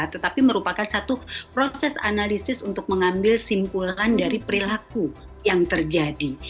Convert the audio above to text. tetapi merupakan satu proses analisis untuk mengambil simpulan dari perilaku yang terjadi